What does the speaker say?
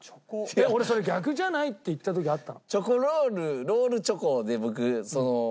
俺「それ逆じゃない？」って言った時あったの。